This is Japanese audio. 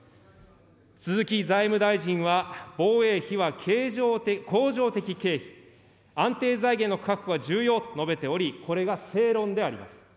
鈴木財務大臣は、防衛費は恒常的経費、安定財源の確保が重要と述べており、これが正論であります。